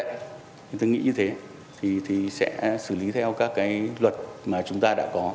nhưng tôi nghĩ như thế thì sẽ xử lý theo các cái luật mà chúng ta đã có